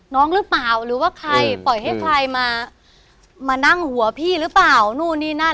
น้องหรือเปล่าหรือว่าใครปล่อยให้ใครมามานั่งหัวพี่หรือเปล่านู่นนี่นั่น